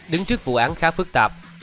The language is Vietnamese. đứng trước vụ án khá phức tạp